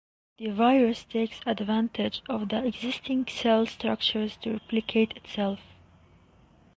The virus takes advantage of the existing cell structures to replicate itself.